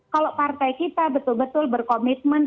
kalau partai kita betul betul berkomitmen